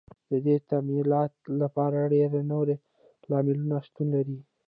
د دې تمایلاتو لپاره ډېری نور لاملونو شتون لري